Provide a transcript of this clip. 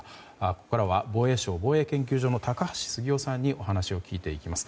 ここからは防衛省防衛研究所の高橋杉雄さんにお話を聞いていきます。